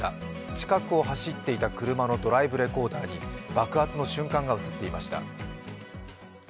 近くを走っていた車のドライブレコーダーに爆発の瞬間が映っていました。